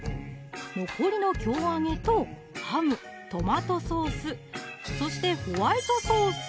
残りの京揚げとハム・トマトソースそしてホワイトソース